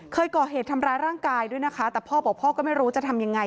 เคยก่อเหตุทำร้ายร่างกายด้วยนะคะแต่พ่อบอกพ่อก็ไม่รู้จะทำยังไง